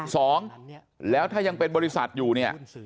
สองแล้วถ้ายังเป็นบริษัทอยู่เนี่ย